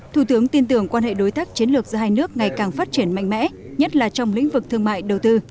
thủ tướng tin tưởng quan hệ đối tác chiến lược giữa hai nước ngày càng phát triển mạnh mẽ nhất là trong lĩnh vực thương mại đầu tư